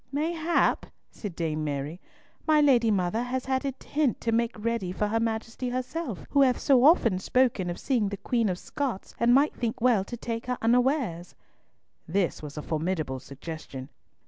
"Mayhap," said Dame Mary, "my lady mother has had a hint to make ready for her Majesty herself, who hath so often spoken of seeing the Queen of Scots, and might think well to take her unawares." This was a formidable suggestion.